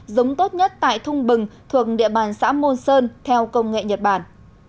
giống tốt nhất tại thung bừng thuộc địa bàn xã môn sơn theo công nghệ nhật bản